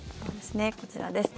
こちらです。